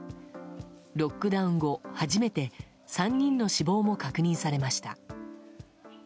ロックダウン後初めて３人の死亡も確認されました。